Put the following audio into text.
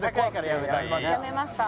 やめました